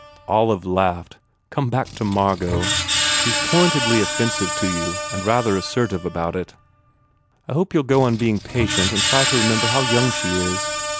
Olive laughed, "Come back to Margot She s pointedly offensive to you and rather assertive about it. I hope you ll go on being patient and try to remember how young she is.